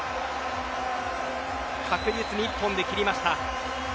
確実に１本で切りました。